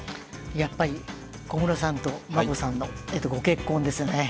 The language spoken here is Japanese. やっぱり小室さんと眞子さんのご結婚ですね。